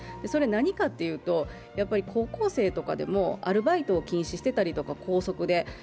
それは何かというと高校生とかでもアルバイトを禁止してたりとか校則で。